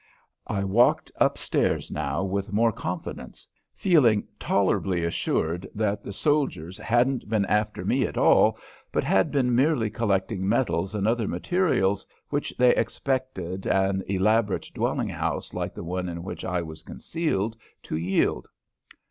I walked up stairs now with more confidence, feeling tolerably assured that the soldiers hadn't been after me at all, but had been merely collecting metals and other materials which they expected an elaborate dwelling house like the one in which I was concealed to yield.